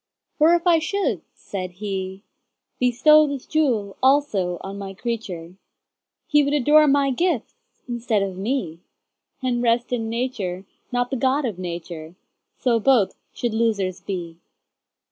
For if I should (said He)Bestow this jewel also on My creature, He would adore My gifts instead of Me, And rest in Nature, not the God of Nature:So both should losers be.